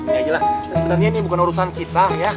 ini aja lah sebenarnya ini bukan urusan kita ya